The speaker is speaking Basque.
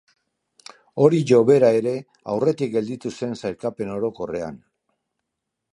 Orio bera ere aurretik gelditu zen sailkapen orokorrean.